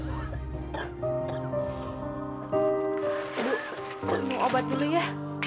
aduh mau obat dulu ya